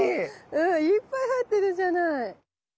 うんいっぱい生えてるじゃない。